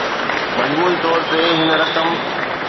مجموعي طور تي هن رقم